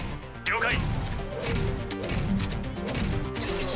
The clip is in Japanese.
了解。